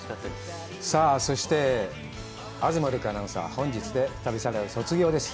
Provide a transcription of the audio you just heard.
さあ、そして、東留伽アナウンサーは本日で旅サラダ卒業です。